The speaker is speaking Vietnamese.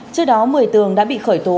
trước đó một mươi tường đã bị khởi tố